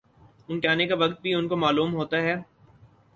ان کے آنے کا وقت بھی ان کو معلوم ہوتا ہے